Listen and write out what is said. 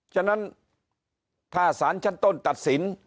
ฉะนั้นถ้าสารชั้นต้นตัดสิน